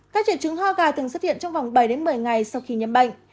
các trẻ trứng ho gà từng xuất hiện trong vòng bảy một mươi ngày sau khi nhâm bệnh